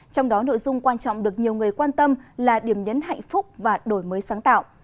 trong đó nội dung quan trọng được nhiều người quan tâm là điểm nhấn hạnh phúc và đổi mới sáng tạo